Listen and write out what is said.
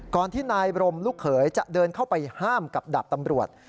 ที่นายบรมลูกเขยจะเดินเข้าไปห้ามกับดาบตำรวจ